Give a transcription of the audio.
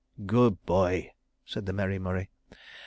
..." "Goo' boy," said the merry Murray.